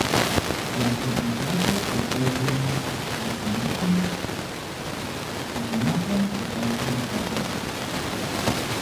Джатэ къихакӀэ къыпхуэжэм ущымыщти, къуэгъэнапӀэм къыкъуэтым хуэсакъ.